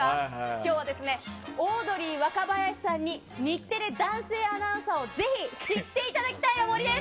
今日はオードリー若林さんに日テレ男性アナウンサーをぜひ知ってもらいたいの森です。